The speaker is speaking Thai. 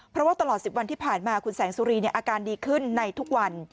เพราะว่าตลอด๑๐วันที่ผ่านมาคุณแสงสุรีอาการดีขึ้นในทุกวัน